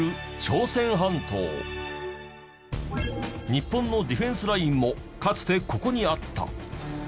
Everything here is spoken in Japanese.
日本のディフェンスラインもかつてここにあった。